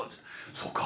「そうか？